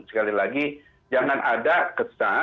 sekali lagi jangan ada kesan